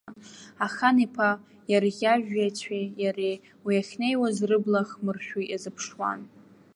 Ахан-иԥа иарӷьажәҩацәеи иареи уи ахьнеиуаз рыбла ахмыршәо иазыԥшуан.